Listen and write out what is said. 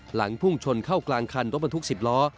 พุ่งชนเข้ากลางคันรถบรรทุก๑๐ล้อ